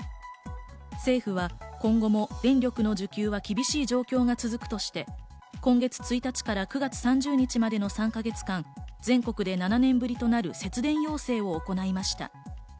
政府は今後も電力の需給は厳しい状況が続くとして、今月１日から９月３０日までの３か月間、全国で７年ぶりとなる節電要請を行いました。